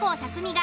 が